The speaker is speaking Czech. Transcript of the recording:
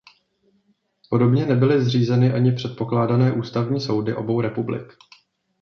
Podobně nebyly zřízeny ani předpokládané ústavní soudy obou republik.